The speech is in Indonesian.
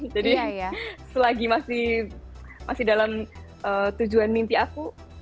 jadi selagi masih dalam tujuan mimpi aku